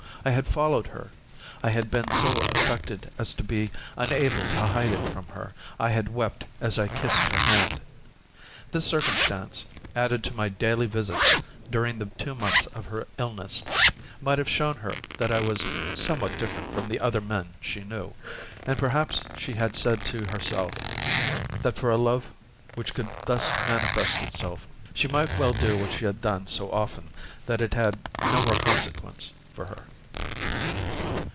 I had followed her, I had been so affected as to be unable to hide it from her, I had wept as I kissed her hand. This circumstance, added to my daily visits during the two months of her illness, might have shown her that I was somewhat different from the other men she knew, and perhaps she had said to herself that for a love which could thus manifest itself she might well do what she had done so often that it had no more consequence for her.